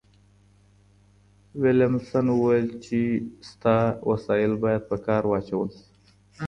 ويلم سن وويل چي شته وسايل بايد په کار واچول سي.